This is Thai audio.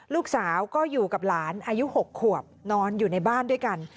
ลูกสาวก็อยู่กับหลานอายุ๖ขวบนอนอยู่ในบ้านด้วยกัน